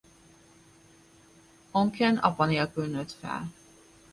Oncken apa nélkül nőtt fel.